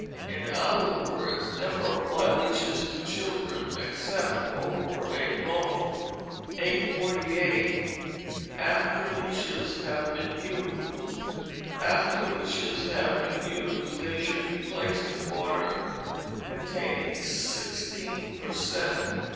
In other words, never apply leeches to children except over a bone. 848. After Leeches have been Used After leeches have been used they should be placed in water containing sixteen per cent.